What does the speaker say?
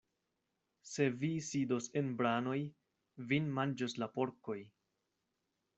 Se vi sidos en branoj, vin manĝos la porkoj.